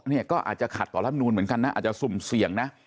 เนี่ยก็อาจจะขัดต่อรัฐนูนเหมือนกันนะอาจจะสุ่มเสี่ยงนะ